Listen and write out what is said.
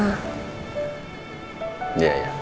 yang penting kan baru sama mama